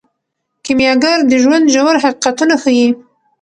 کیمیاګر د ژوند ژور حقیقتونه ښیي.